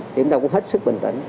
thì chúng ta cũng hết sức bình tĩnh